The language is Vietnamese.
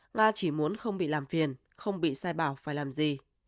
mà chỉ muốn không bị làm phiền không bị sai bảo phải làm gì